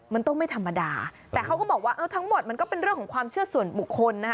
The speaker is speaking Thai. มันต้องไม่ธรรมดาแต่เขาก็บอกว่าเออทั้งหมดมันก็เป็นเรื่องของความเชื่อส่วนบุคคลนะคะ